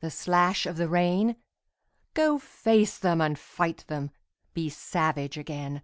The slash of the rain? Go face them and fight them, Be savage again.